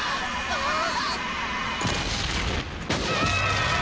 あっ！